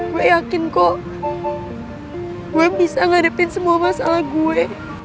gue yakin kok gue bisa ngadepin semua masalah gue